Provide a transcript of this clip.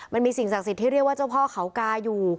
สิ่งศักดิ์สิทธิ์ที่เรียกว่าเจ้าพ่อเขากาอยู่